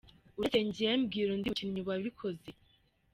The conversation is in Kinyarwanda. Uretse njye, mbwira undi mukinnyi wabikoze?”.